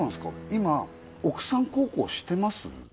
今奥さん孝行してます？